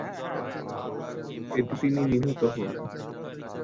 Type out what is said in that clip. এতে তিনি নিহত হন।